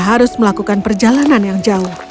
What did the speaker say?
harus melakukan perjalanan yang jauh